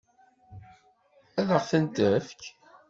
Ad ɣ-ten-tefk?